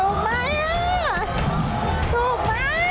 ถูกหรือยัง